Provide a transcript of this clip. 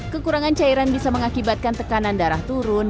kekurangan cairan bisa mengakibatkan tekanan darah turun